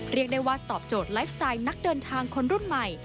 เรียกได้ว่าตอบโจทย์ไลฟ์สไตล์นักเดินทางคนรุ่นใหม่